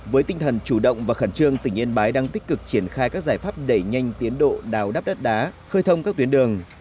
với tinh thần chủ động và khẩn trương tỉnh yên bái đang tích cực triển khai các giải pháp đẩy nhanh tiến độ đào đắp đất đá khơi thông các tuyến đường